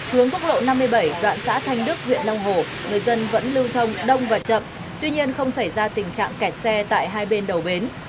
hướng quốc lộ năm mươi bảy đoạn xã thanh đức huyện long hồ người dân vẫn lưu thông đông và chậm tuy nhiên không xảy ra tình trạng kẹt xe tại hai bên đầu bến